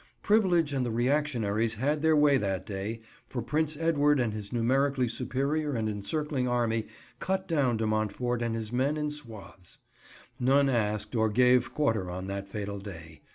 Privilege and the reactionaries had their way that day, for Prince Edward and his numerically superior and encircling army cut down De Montfort and his men in swathes. None asked or gave quarter on that fatal day.